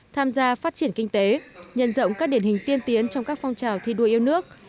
tham gia phát triển kinh tế nhân rộng các điển hình tiên tiến trong các phong trào thi đua yêu nước